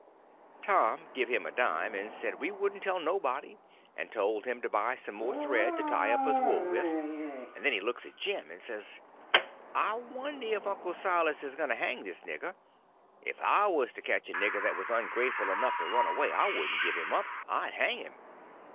Tom give him a dime, and said we wouldn't tell nobody; and told him to buy some more thread to tie up his wool with; and then looks at Jim, and says: "I wonder if Uncle Silas is going to hang this nigger. If I was to catch a nigger that was ungrateful enough to run away, I wouldn't give him up, I'd hang him."